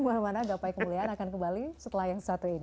bagaimana dapat kemuliaan akan kembali setelah yang satu ini